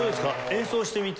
演奏してみて。